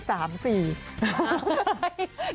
เดี๋ยวก่อน